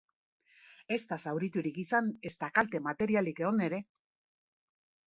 Ez da zauriturik izan, ezta kalte materialik egon ere.